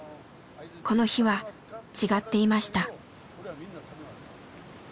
この日は違っていました。